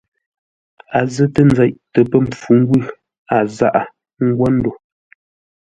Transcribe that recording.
A zətə nzeʼ tə pə́ mpfu-ngwʉ̂, a zaʼa ńgwó ndo.